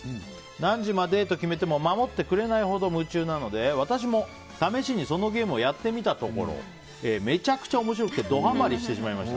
何時までと決めても守ってくれないほど夢中なので私も試しにそのゲームをやってみたところめちゃくちゃ面白くてドハマりしてしまいました。